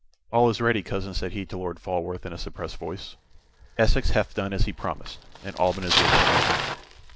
"All is ready, cousin," said he to Lord Falworth, in a suppressed voice. "Essex hath done as he promised, and Alban is within there now."